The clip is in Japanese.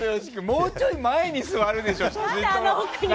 もうちょい前に座るでしょ。